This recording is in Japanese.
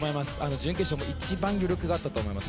準決勝も一番余力があったと思います。